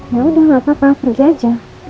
ya udah gapapa pergi aja